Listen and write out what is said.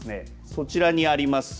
そちらにあります